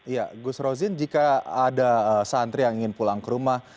ya gus rozin jika ada santri yang ingin pulang ke rumah